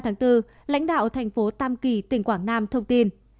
trước ngày ba bốn lãnh đạo thành phố tam kỳ tỉnh quảng nam thông tin